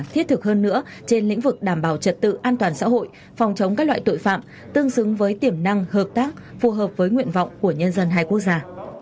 thiết thực hơn nữa trên lĩnh vực đảm bảo trật tự an toàn xã hội phòng chống các loại tội phạm tương xứng với tiềm năng hợp tác phù hợp với nguyện vọng của nhân dân hai quốc gia